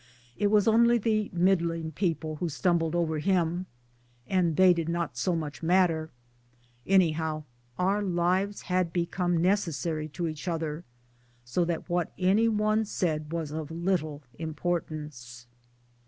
It was only the middling people who stumbled over him ; and they did not so much matter ! Anyhow our lives had become necessary to each other, so that what any one said was of little importance.